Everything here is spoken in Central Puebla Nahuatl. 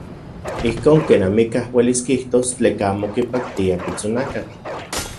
Ijkon ken amikaj uelis kijtos tleka amo kipaktia pitsonakatl.